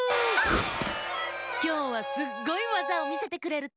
きょうはすっごいわざをみせてくれるって！